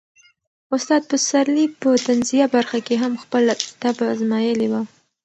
استاد پسرلي په طنزيه برخه کې هم خپله طبع ازمایلې وه.